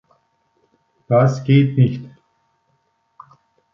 Das geht nicht.